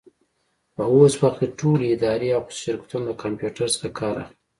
په اوس وخت کي ټولي ادارې او خصوصي شرکتونه د کمپيوټر څخه کار اخلي.